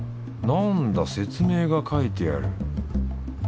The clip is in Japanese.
なんだ説明が書いてある。